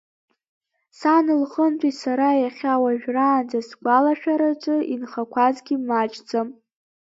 Сан лҟынтәи сара иахьа уажәраанӡа сгәалашәараҿы инхақәазгьы маҷӡам…